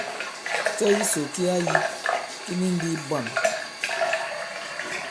Cɛ kisò ki a yī ki ni ndī bwâm.